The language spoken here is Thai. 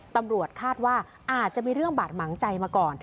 ตำรวจคาดว่าอาจจะมีเรื่องบาดหมางใจมาก่อน